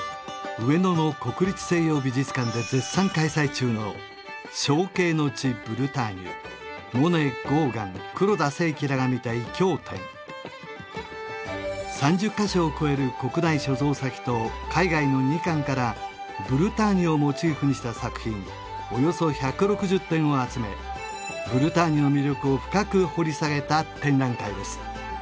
上野の国立西洋美術館で絶賛開催中の３０カ所を超える国内所蔵先と海外の２館からブルターニュをモチーフにした作品およそ１６０点を集めブルターニュの魅力を深く掘り下げた展覧会です